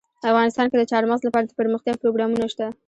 افغانستان کې د چار مغز لپاره دپرمختیا پروګرامونه شته.